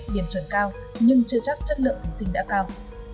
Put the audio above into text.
điểm chuẩn cao nhưng chưa chắc chất lượng thí sinh đã cao